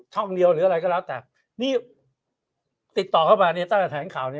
ช่องเดียวหรืออะไรก็แล้วแต่นี่ติดต่อก็ว่าในตามแถมข่าวนี้